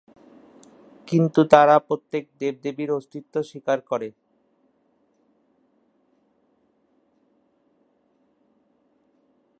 কিন্তু তারা প্রত্যেক দেব-দেবীর অস্তিত্ব স্বীকার করে।